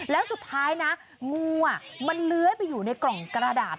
แล้วสุดท้ายนะงูมันเลื้อยไปอยู่ในกล่องกระดาษ